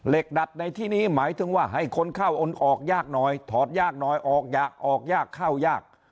ดัดในที่นี้หมายถึงว่าให้คนเข้าอนออกยากหน่อยถอดยากหน่อยออกยากออกยากเข้ายาก